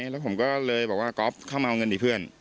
แล้วผมก็เลยบอกว่าก๊อฟเข้ามาเอาเงินดีเพื่อน